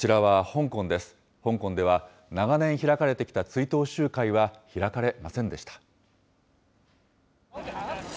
香港では、長年開かれてきた追悼集会は開かれませんでした。